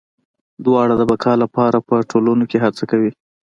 دواړه د بقا لپاره په ټولنو کې هڅه کوي.